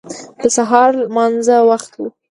د سهار لمانځه وخت و.